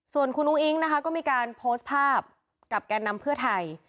ส่วนคุณอุ้งอิ๊งนะคะก็มีการโพสต์ภาพกับแกนนำเพื่อไทย